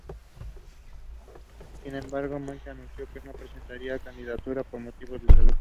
Sin embargo, Mukherjee anunció que no presentaría su candidatura por motivos de salud.